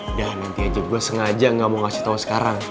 udah nanti aja gue sengaja gak mau ngasih tau sekarang